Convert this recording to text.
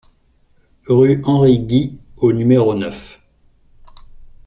Rue Henry Guy au numéro neuf